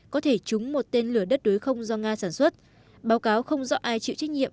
có thể trúng một tên lửa đất đối không do nga sản xuất báo cáo không do ai chịu trách nhiệm